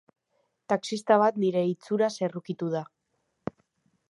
Taxista bat nire itxuraz errukitu da.